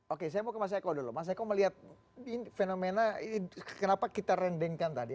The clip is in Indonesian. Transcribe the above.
oke saya mau ke mas eko dulu mas eko melihat fenomena kenapa kita rendengkan tadi